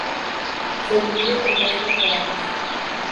Se divide en dos temporadas.